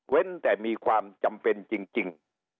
แต่มีความจำเป็นจริง